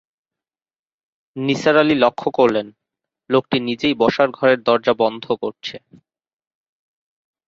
নিসার আলি লক্ষ করলেন, লোকটি নিজেই বসার ঘরের দরজা বন্ধ করছে।